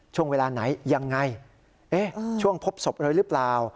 ช่วงเวลาไหนยังไงช่วงพบศพเลยหรือเปล่า